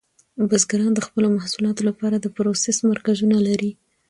بزګران د خپلو محصولاتو لپاره د پروسس مرکزونه لري.